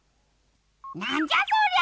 なんじゃそりゃ！